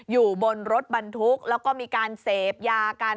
อยู่บนรถบรรทุกแล้วก็มีการเสพยากัน